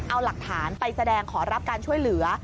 เอาหลักฐานไปแสดงขอรับการช่วยเหลือ